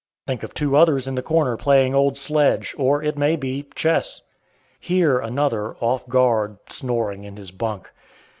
Think of two others in the corner playing "old sledge," or, it may be, chess. Hear another, "off guard," snoring in his bunk.